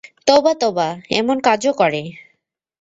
তোবা, তোবা, এমন কাজও করে!